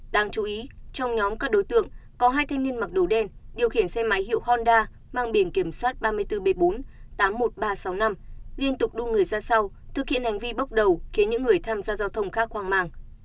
đáng chú ý trong nhóm các đối tượng có hai thanh niên mặc đồ đen điều khiển xe máy hiệu honda mang biển kiểm soát ba mươi bốn b bốn tám mươi một nghìn ba trăm sáu mươi năm liên tục đua người ra sau thực hiện hành vi bốc đầu khiến những người tham gia giao thông khác hoang mang